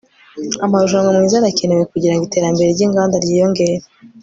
amarushanwa meza arakenewe kugirango iterambere ryinganda ryiyongere